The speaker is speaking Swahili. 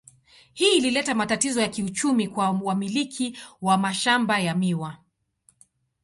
Hii ilileta matatizo ya kiuchumi kwa wamiliki wa mashamba ya miwa.